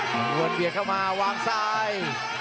นังคมน้ำบวนเบียงเข้ามาวางซ้าย